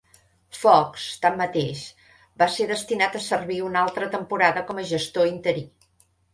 Fox, tanmateix, va ser destinat a servir una altra temporada com a gestor interí.